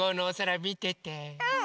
うん！